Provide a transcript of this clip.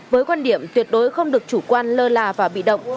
với quan điểm tuyệt đối không được chủ quan lơ là và bị động